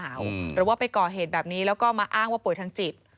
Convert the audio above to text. หรือว่าไปก่อเหตุแบบนี้แล้วก็มาอ้างว่าป่วยทางจิต